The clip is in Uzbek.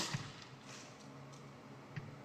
bu narsa mardikorlarni, kechirasiz-u...